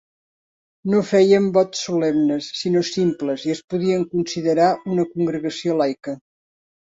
No feien vots solemnes, sinó simples i es podia considerar una congregació laica.